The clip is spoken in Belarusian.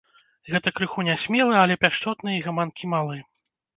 Гэта крыху нясмелы, але пяшчотны і гаманкі малы.